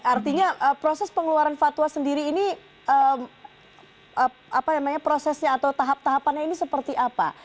artinya proses pengeluaran fatwa sendiri ini prosesnya atau tahap tahapannya ini seperti apa